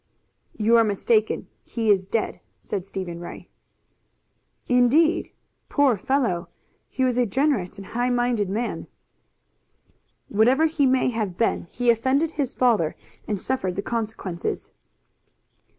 "You are mistaken. He is dead." "Indeed! Poor fellow! He was a generous and high minded man." "Whatever he may have been, he offended his father, and suffered the consequences."